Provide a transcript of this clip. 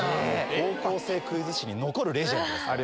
高校生クイズ史に残るレジェンドですから。